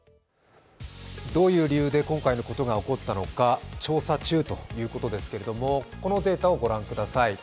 どういう理由で今回のことが起こったのか調査中ということですけれども、このデータをご覧ください。